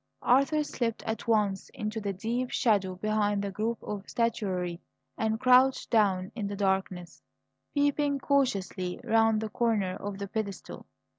Arthur slipped at once into the deep shadow behind the group of statuary and crouched down in the darkness, peeping cautiously round the corner of the pedestal.